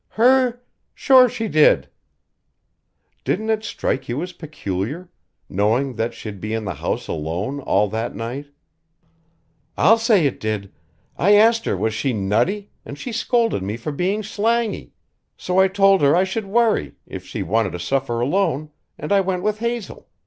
"Her? Sure she did." "Didn't it strike you as peculiar knowing that she'd be in the house alone all that night?" "I'll say it did. I asked her was she nutty and she scolded me for being slangy. So I told her I should worry if she wanted to suffer alone, and I went with Hazel.